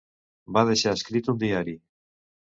Va deixar escrit un diari.